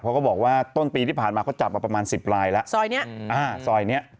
เขาก็บอกว่าต้นปีที่ผ่านมาเขาจับมาประมาณ๑๐ลายแล้วซอยเนี่ย